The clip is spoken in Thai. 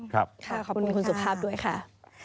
ขอบคุณคุณสุภาพด้วยค่ะ